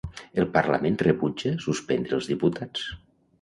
El parlament rebutja suspendre els diputats.